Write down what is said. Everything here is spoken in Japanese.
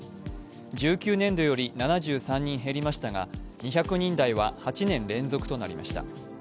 １９年度より７３人減りましたが、２００人台は８年連続となりました。